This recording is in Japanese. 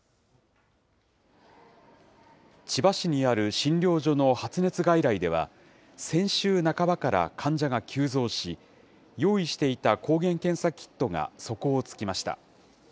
千葉市にある診療所の発熱外来では、先週半ばから患者が急増し、用意していた抗原検査キットが底をつきました。